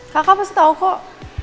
kakak pasti tau kok